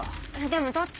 でもどっち？